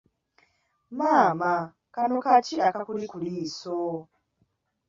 Maama kano kaki akakuli ku liiso?